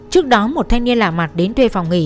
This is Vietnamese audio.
trước đó một thanh niên lạ mặt đến thuê phòng nghỉ